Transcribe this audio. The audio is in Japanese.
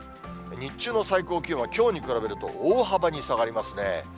日中の最高気温はきょうに比べると大幅に下がりますね。